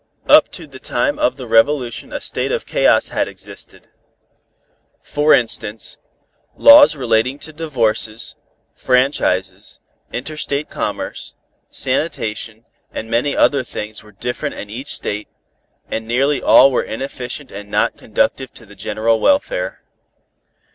Up to the time of the Revolution a state of chaos had existed. For instance, laws relating to divorces, franchises, interstate commerce, sanitation and many other things were different in each State, and nearly all were inefficient and not conducive to the general welfare.